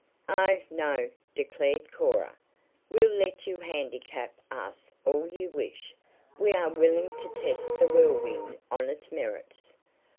"Oh, no," declared Cora. "We'll let you handicap us all you wish. We are willing to test the Whirlwind on its merits."